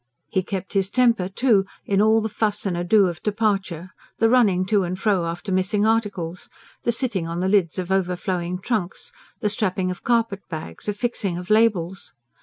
He kept his temper, too, in all the fuss and ado of departure: the running to and fro after missing articles, the sitting on the lids of overflowing trunks, the strapping of carpet bags, affixing of labels.